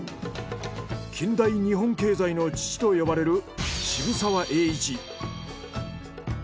近代日本経済の父と呼ばれる渋沢栄一。